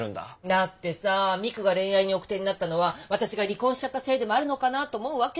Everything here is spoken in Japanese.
だってさ未来が恋愛に奥手になったのは私が離婚しちゃったせいでもあるのかなと思うわけよ。